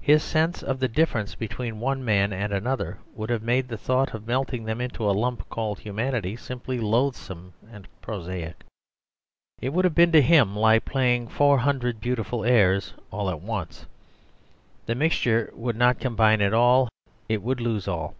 His sense of the difference between one man and another would have made the thought of melting them into a lump called humanity simply loathsome and prosaic. It would have been to him like playing four hundred beautiful airs at once. The mixture would not combine all, it would lose all.